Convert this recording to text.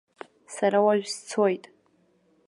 Сара уажә сцоит.